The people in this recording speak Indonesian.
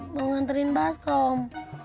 mau nganturin baskom